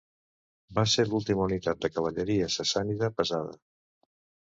Va ser l'última unitat de cavalleria sassànida pesada.